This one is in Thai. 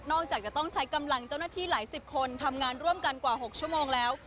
จากจะต้องใช้กำลังเจ้าหน้าที่หลายสิบคนทำงานร่วมกันกว่า๖ชั่วโมงแล้ว